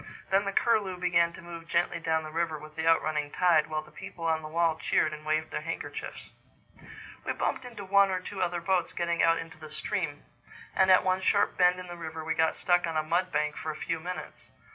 Then the Curlew began to move gently down the river with the out running tide, while the people on the wall cheered and waved their handkerchiefs. We bumped into one or two other boats getting out into the stream; and at one sharp bend in the river we got stuck on a mud bank for a few minutes.